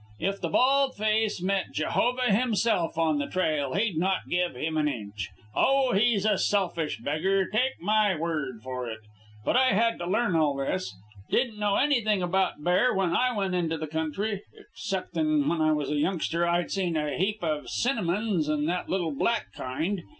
If the bald face met Jehovah Himself on the trail, he'd not give him an inch. O, he's a selfish beggar, take my word for it. But I had to learn all this. Didn't know anything about bear when I went into the country, exceptin' when I was a youngster I'd seen a heap of cinnamons and that little black kind.